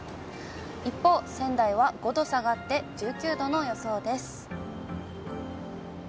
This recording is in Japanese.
一方、仙台は５度下がって１９度の予想です。